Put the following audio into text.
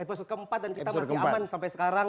episode keempat dan kita masih aman sampai sekarang